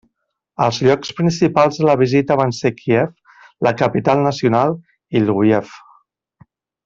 Els llocs principals de la visita van ser Kíev, la capital nacional, i Lviv.